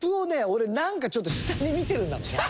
俺なんかちょっと下に見てるんだろうね。